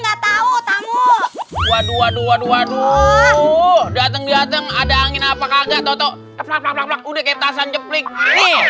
nggak tahu tamu dua ribu dua ratus dua puluh dua duhu dateng dateng ada angin apa kagak toto keplak udah kertasan jeplik nih